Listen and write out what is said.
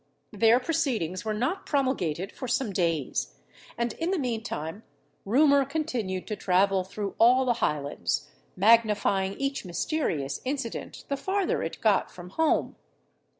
Their proceedings were not promulgated for some days; and, in the mean time, rumour continued to travel through all the Highlands, magnifying each mysterious incident the farther it got from home.